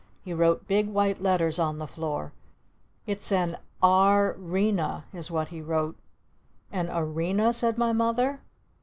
He wrote big white letters on the floor. "It's an Ar Rena," is what he wrote. "An Arena?" said my Mother.